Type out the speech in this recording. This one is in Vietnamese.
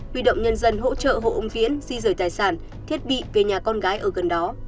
huy động nhân dân hỗ trợ hộ ông viễn di rời tài sản thiết bị về nhà con gái ở gần đó